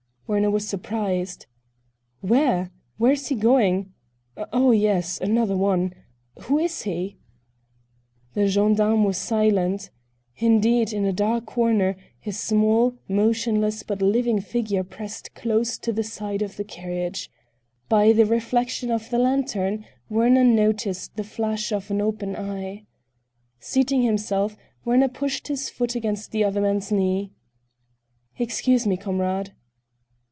Werner was surprised. "Where? Where is he going? Oh, yes! Another one? Who is he?" The gendarme was silent. Indeed, in a dark corner a small, motionless but living figure pressed close to the side of the carriage. By the reflection of the lantern Werner noticed the flash of an open eye. Seating himself, Werner pushed his foot against the other man's knee. "Excuse me, comrade."